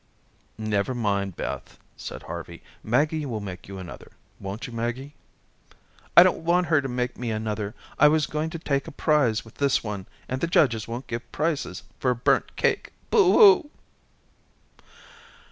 "Never mind, Beth," said Harvey; "Maggie will make you another, won't you, Maggie?" "I don't want her to make me another. I was going to take a prize with this one, and the judges won't give prizes for burnt cake, boo hoo."